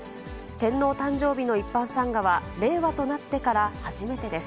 天皇誕生日の一般参賀は、令和となってから初めてです。